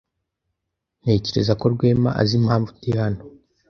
Ntekereza ko Rwema azi impamvu ndi hano.